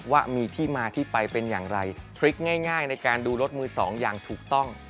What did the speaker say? ว่ามีที่มาที่ไปเป็นอย่างไรพลิกง่ายในการดูรถมือสองอย่างถูกต้อง